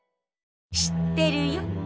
知ってるよ。